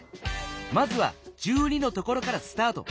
まずは１２のところからスタート。